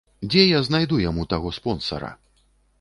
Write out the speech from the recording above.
Дзе я знайду яму таго спонсара?